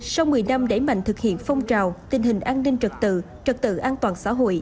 sau một mươi năm đẩy mạnh thực hiện phong trào tình hình an ninh trật tự trật tự an toàn xã hội